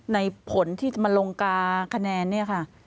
ในผลที่จะมาลงกาคะแนนเนี่ยค่ะ